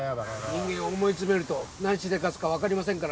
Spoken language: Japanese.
人間思い詰めると何しでかすかわかりませんからね。